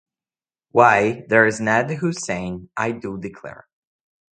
Why, there is Ned Hussain, I do declare.